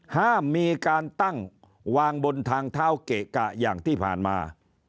ห้ามมีการตั้งวางบนทางเท้าเกะกะอย่างที่ผ่านมา